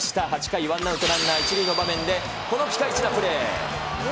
８回ワンアウトランナー１塁の場面で、このピカイチなプレー。